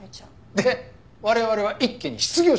で我々は一気に失業者です。